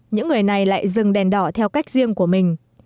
những người này lại dừng đèn đỏ theo cách riêng của mình